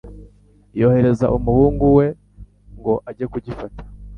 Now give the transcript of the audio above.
yohereza umuhungu we ngo ajye kugifata